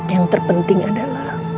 yang terpenting adalah